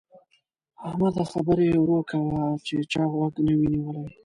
احمده! خبرې ورو کوه چې چا غوږ نه وي نيولی.